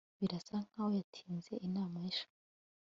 Birasa nkaho yatinze inama ejo